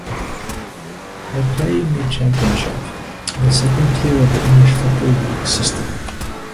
They play in the Championship, the second tier of the English football league system.